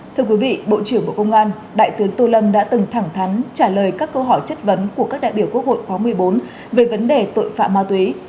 thưa quý vị bộ trưởng bộ công an đại tướng tô lâm đã từng thẳng thắn trả lời các câu hỏi chất vấn của các đại biểu quốc hội khóa một mươi bốn về vấn đề tội phạm ma túy